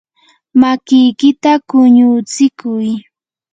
makiykita quñutsikuy.